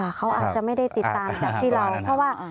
เขาอาจจะไม่ได้ติดตามจากที่เราเพราะว่า